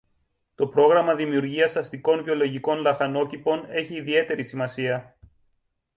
το πρόγραμμα δημιουργίας αστικών βιολογικών λαχανόκηπων έχει ιδιαίτερη σημασία